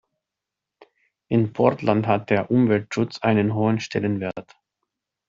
In Portland hat der Umweltschutz einen hohen Stellenwert.